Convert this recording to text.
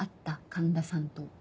環田さんと。